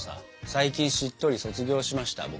最近「しっとり」卒業しました僕。